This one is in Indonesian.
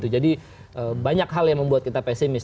jadi banyak hal yang membuat kita pesimis